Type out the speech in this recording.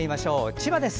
千葉です。